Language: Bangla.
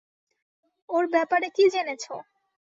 ওর ব্যাপারে কী জেনেছ?